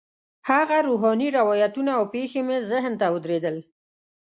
هغه روحاني روایتونه او پېښې مې ذهن ته ودرېدل.